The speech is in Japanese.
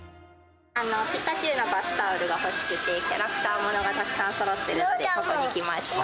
ピカチュウのバスタオルが欲しくて、キャラクターものがたくさんそろってるって、ここに来ました。